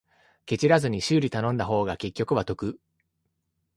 ケチらずに修理頼んだ方が結局は得